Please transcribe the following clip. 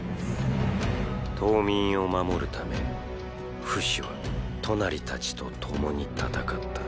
島民を守るためフシはトナリたちと共に戦った。